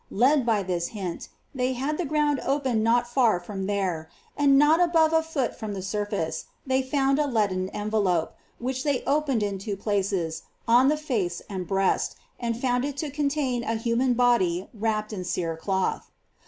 Led by this hint, they had the ground opened not far from here, and not above a foot from the surface they found a leaden envelope, vhich they opened in two places, on the face and breast, and found it o contain a human body wrapped in cerecloth.